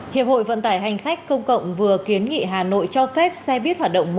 hiệp hội vận tải hành khách công cộng vừa kiến nghị hà nội cho phép xe buýt hoạt động